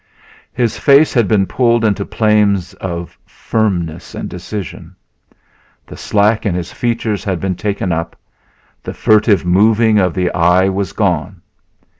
His face had been pulled into planes of firmness and decision; the slack in his features had been taken up; the furtive moving of the eye was gone.